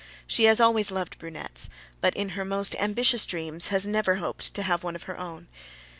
She has always loved brunettes, but in her most ambitious dreams has never hoped to have one of her own.